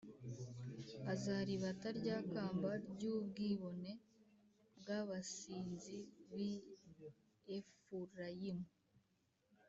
Azaribata rya kamba ry’ubwibone bw’abasinzi b’i Efurayimu,